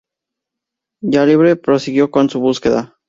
Ya libre, prosiguió con su búsqueda.